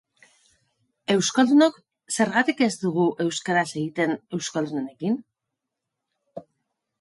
Euskaldunok zergatik ez dugu euskaraz egiten euskaldunekin?